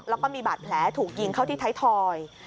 แล้วก็มีบาดแผลถูกยิงเข้าที่ไทยทอย